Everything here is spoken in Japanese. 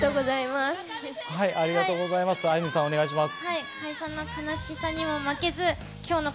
アユニさん、お願いします。